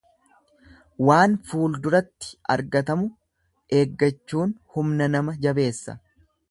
Waan fuulduratti argatamu eeggachuun humna nama jabeessa.